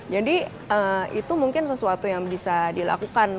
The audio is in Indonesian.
jadi itu mungkin sesuatu yang bisa dilakukan